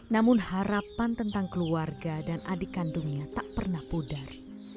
namun harapan tentang keluarga dan adik kandungnya tak pernah pudar